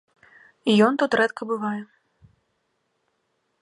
Ён тут рэдка бывае.